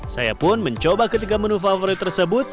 saya pun mencoba ketiga menu favorit tersebut